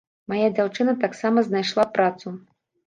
Мая дзяўчына таксама знайшла працу.